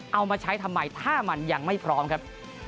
เอามาใช้ทำไมถ้ามันยังไม่พร้อมครับ